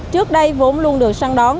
trước đây vốn luôn được săn đón